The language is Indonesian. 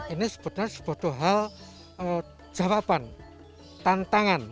ini sebetulnya sebuah hal jawaban tantangan